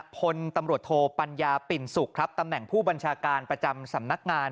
พลตำรวจโทปัญญาปิ่นสุขครับตำแหน่งผู้บัญชาการประจำสำนักงาน